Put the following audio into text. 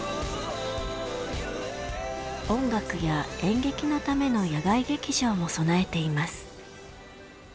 音楽や演劇のための野外劇場も備えています。